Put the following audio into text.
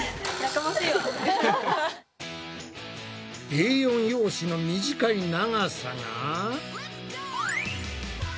Ａ４用紙の短い長さが。